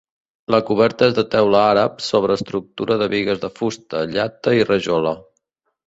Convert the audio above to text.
La coberta és de teula àrab sobre estructura de bigues de fusta, llata i rajola.